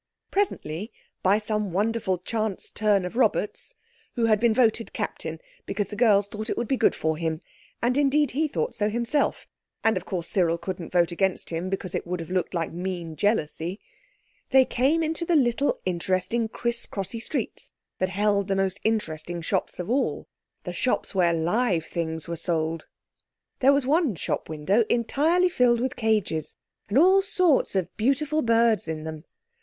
Presently, by some wonderful chance turn of Robert's (who had been voted Captain because the girls thought it would be good for him—and indeed he thought so himself—and of course Cyril couldn't vote against him because it would have looked like a mean jealousy), they came into the little interesting criss crossy streets that held the most interesting shops of all—the shops where live things were sold. There was one shop window entirely filled with cages, and all sorts of beautiful birds in them.